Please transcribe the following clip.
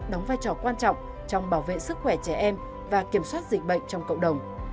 đóng vai trò quan trọng trong bảo vệ sức khỏe trẻ em và kiểm soát dịch bệnh trong cộng đồng